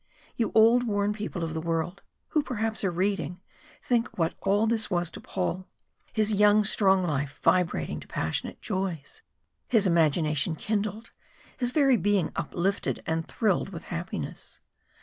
You old worn people of the world, who perhaps are reading, think what all this was to Paul his young strong life vibrating to passionate joys, his imagination kindled, his very being uplifted and thrilled with happiness!